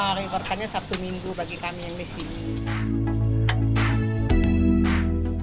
ya hari berkannya sabtu minggu bagi kami yang di sini